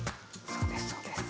そうですそうです。